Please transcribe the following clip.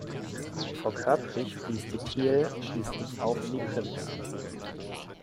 Vor Körprich fließt die "Theel" schließlich auf in die Prims.